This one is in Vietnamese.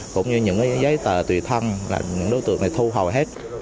cũng như những giấy tờ tùy thân là những đối tượng này thu hầu hết